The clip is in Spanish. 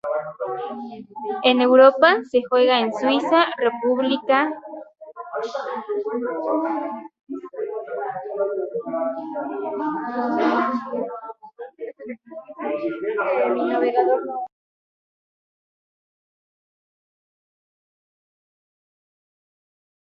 En Europa, se juega en Suiza, República Checa, Dinamarca, Alemania, Austria, e Italia.